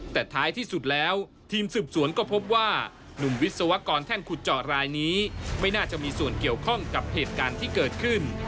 แต่ท้ายที่สุดแล้วทีมสืบสวนก็พบว่าหนุ่มวิศวกรแท่นขุดเจาะรายนี้ไม่น่าจะมีส่วนเกี่ยวข้องกับเหตุการณ์ที่เกิดขึ้น